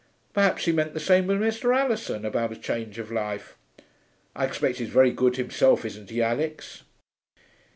Perhaps he meant the same as Mr. Alison, about a change of life. I expect he's very good himself, isn't he, Alix?'